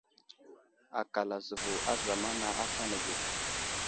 Akal azəvo a zamana aslane ge.